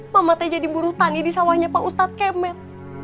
mama teh jadi buruh tangi di sawahnya pak ustadz kemet